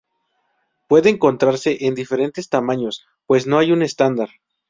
Puede encontrarse en diferentes tamaños pues no hay un estándar.